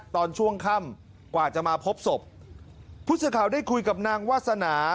ตอนช่วงค่ำกว่าจะมาพบศพผู้สื่อข่าวได้คุยกับนางวาสนา